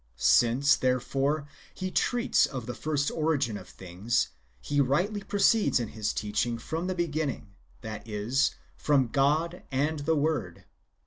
Since, therefore, he treats of the first origin of things, he rightly proceeds in his teaching from the beginning, that is, from God and the Word.